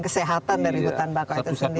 kesehatan dari hutan bakau itu sendiri